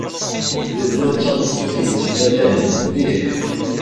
Tella d tameṭṭut yettmalahen mliḥ.